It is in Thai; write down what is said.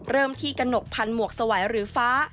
เริ่มที่กระหนกพันธ์หมวกสวัยหรือฟ้า